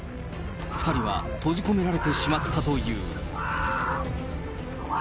２人は閉じ込められてしまったという。